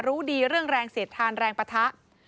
รู้ดีเรื่องแรงเสียดทานแรงปะทะ